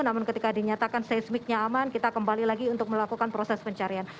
namun ketika dinyatakan seismiknya aman kita kembali lagi untuk melakukan proses pencarian